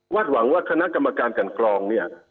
หวังว่าคณะกรรมการกันกรองเนี่ย